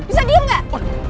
bisa diam gak